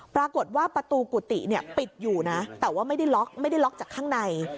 ปรากฏว่าประตูกุฏิปิดอยู่นะแต่ว่าไม่ได้ล็อกไม่ได้ล็อกจากข้างใน